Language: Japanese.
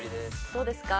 どうですか。